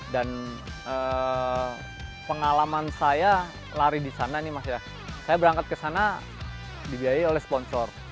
dan pengalaman saya lari di sana nih mas ya saya berangkat ke sana dibiayai oleh sponsor